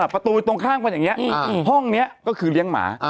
ประตูตรงข้างเป็นอย่างนี้ห้องนี้ก็คือเลี้ยงหมา